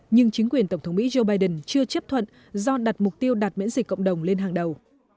nhưng chính quyền tổng thống mỹ joe biden chưa chấp thuận do đặt mục tiêu đạt miễn dịch cộng đồng lên hàng đầu